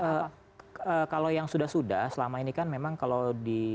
ya kalau yang sudah sudah selama ini kan memang kalau di